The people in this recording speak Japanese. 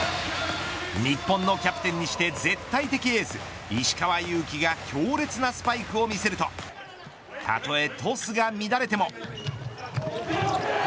日本のキャプテンにして絶対的エース、石川祐希が強烈なスパイクを見せるとたとえトスが乱れても。